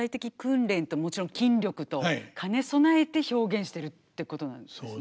もちろん筋力と兼ね備えて表現してるってことなんですね。